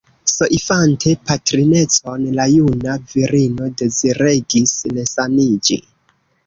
Soifante patrinecon, la juna virino deziregis resaniĝi.